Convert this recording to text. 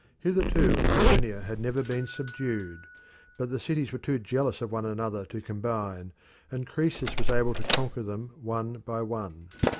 Hitherto Ionia had never been subdued, but the cities were too jealous of one another to combine, and Croesus was able to conquer them one by one.